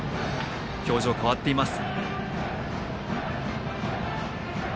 表情変わっています。